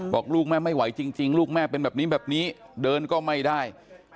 บอกลูกแม่ไม่ไหวจริงลูกแม่เป็นแบบนี้แบบนี้เดินก็ไม่ได้